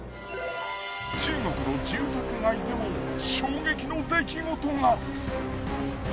中国の住宅街でも衝撃の出来事が。